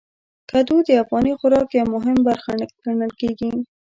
کدو د افغاني خوراک یو مهم برخه ګڼل کېږي.